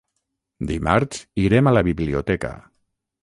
Dimarts irem a la biblioteca.